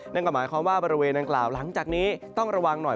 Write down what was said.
นั่นก็หมายความว่าบริเวณดังกล่าวหลังจากนี้ต้องระวังหน่อย